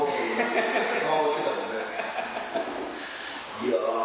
いや！